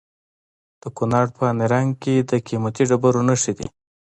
د کونړ په نرنګ کې د قیمتي ډبرو نښې دي.